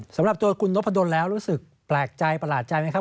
สำหรับตัวคุณนพดลแล้วรู้สึกแปลกใจประหลาดใจไหมครับ